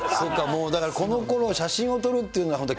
もう、だからこのころ、写真を撮るっていうのは、本当